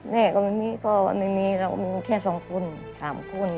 แม่ก็ไม่มีเพราะว่าไม่มีเราก็มีแค่สองคุณสามคุณ